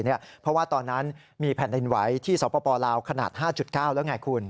เพราะว่าตอนนั้นมีแผ่นดินไหวที่สปลาวขนาด๕๙แล้วไงคุณ